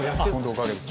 おかげです。